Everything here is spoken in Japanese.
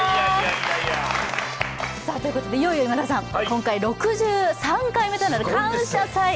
いよいよ今田さん、今回６３回目となる「感謝祭」